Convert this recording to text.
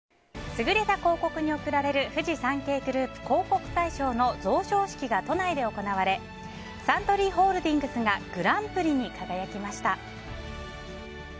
優れた広告に贈られるフジサンケイグループ広告大賞の贈賞式が都内で行われサントリーホールディングスがグランプリに輝きました。